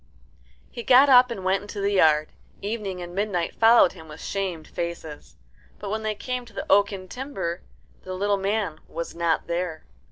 He got up and went into the yard. Evening and Midnight followed him with shamed faces. But when they came to the oaken timber the little man was not there.